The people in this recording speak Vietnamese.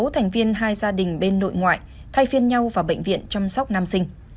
sáu thành viên hai gia đình bên nội ngoại thay phiên nhau vào bệnh viện chăm sóc nam sinh